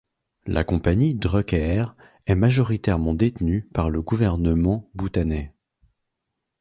La compagnie Druk Air est majoritairement détenue par le gouvernement bhoutanais.